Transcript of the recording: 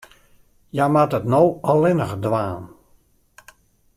Hja moat it no allinnich dwaan.